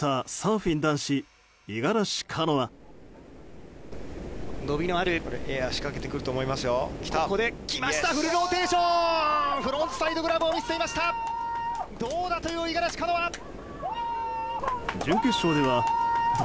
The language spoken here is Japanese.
フロントサイドグラブを見せてどうだという五十嵐カノア！